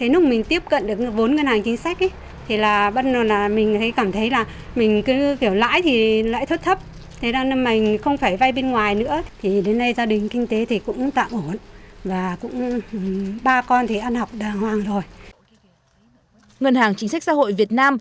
ngân hàng chính sách xã hội việt nam